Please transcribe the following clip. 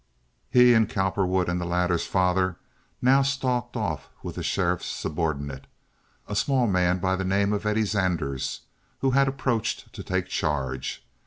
He and Cowperwood and the latter's father now stalked off with the sheriff's subordinate—a small man by the name of "Eddie" Zanders, who had approached to take charge.